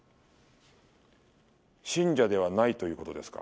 信者ではないということですか？